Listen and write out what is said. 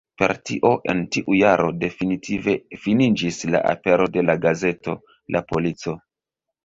Per tio en tiu jaro definitive finiĝis la apero de la gazeto "La Polico".